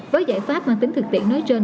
với giải pháp mà tính thực tiện nói trên